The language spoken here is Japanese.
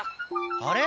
あれ？